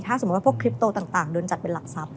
ถ้าสมมุติว่าพวกคลิปโตต่างโดนจัดเป็นหลักทรัพย